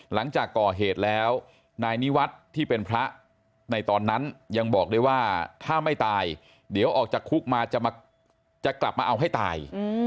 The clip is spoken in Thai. หลังจากก่อเหตุแล้วนายนิวัฒน์ที่เป็นพระในตอนนั้นยังบอกได้ว่าถ้าไม่ตายเดี๋ยวออกจากคุกมาจะกลับมาเอาให้ตาย